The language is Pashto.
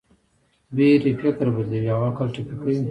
ویرې فکر بدلوي او عقل ټپي کوي.